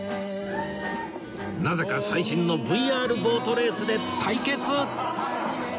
なぜか最新の ＶＲ ボートレースで対決！